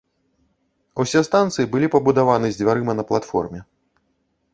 Усе станцыі былі пабудаваны з дзвярыма на платформе.